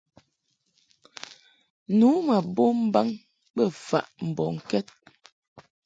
Nu ma bom mbaŋ bə faʼ mbɔŋkɛd.